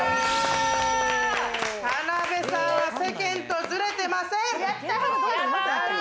田辺さんは世間とずれてません。